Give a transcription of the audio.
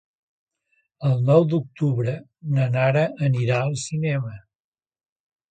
El nou d'octubre na Nara anirà al cinema.